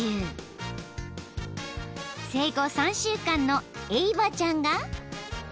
［生後３週間のエイヴァちゃんが］